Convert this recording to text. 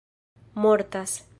mortas